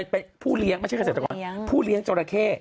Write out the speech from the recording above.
เป็นผู้เลี้ยงไม่ใช่เกษตรกรผู้เลี้ยงจราเข้